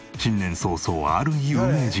早々ある有名人が。